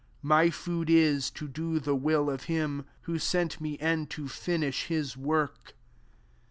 " My food is,. JOHNV. 165 do the will of bim who sent me, and to finish his wc»rk.